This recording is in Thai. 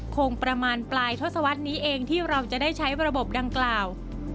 คงประมาณปลายทศวรรษนี้เองที่เราจะได้ใช้ระบบดังกล่าว